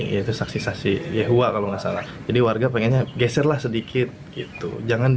yaitu saksi saksi yehua kalau nggak salah jadi warga pengennya geserlah sedikit gitu jangan